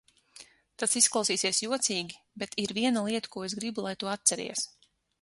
Tas izklausīsies jocīgi, bet ir viena lieta, ko es gribu, lai tu atceries.